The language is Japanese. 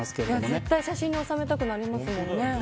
絶対、写真に収めたくなりますもんね。